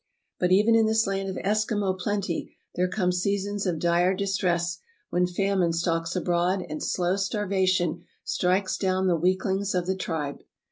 But even in this land of Eskimo plenty there come seasons of dire distress, when famine stalks abroad and slow starvation strikes down the weaklings of the tribe.